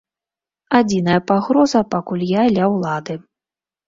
Адзіная пагроза, пакуль я ля ўлады.